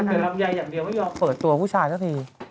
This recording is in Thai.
เกี่ยวรัมยายอย่างเดียวไม่ยอมเปิดตัวผู้ชายตกที